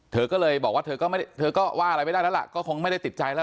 เธอก็เลยบอกว่าเธอก็เธอก็ว่าอะไรไม่ได้แล้วล่ะก็คงไม่ได้ติดใจแล้ว